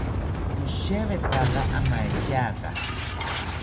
Noshewataka amaetyaka